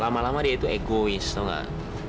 lama lama dia itu egois tau nggak